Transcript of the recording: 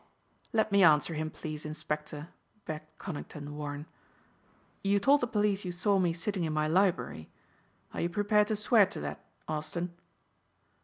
"Let me answer him please, inspector," begged Conington Warren. "You told the police that you saw me sitting in my library. Are you prepared to swear to that, Austin?"